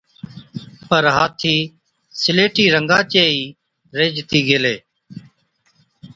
پَر هاٿِي سِليٽِي رنگا چي ئِي ريهجتِي گيلي۔